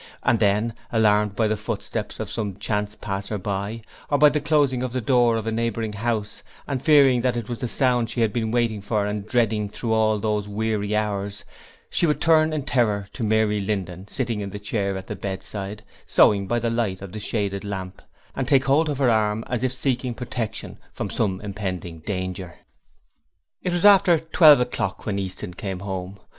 And then alarmed by the footsteps of some chance passerby, or by the closing of the door of a neighbouring house, and fearing that it was the sound she had been waiting for and dreading through all those weary hours, she would turn in terror to Mary Linden, sitting in the chair at the bedside, sewing by the light of the shaded lamp, and take hold of her arm as if seeking protection from some impending danger. It was after twelve o'clock when Easton came home.